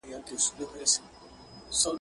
تلي مي سوځي په غرمو ولاړه یمه.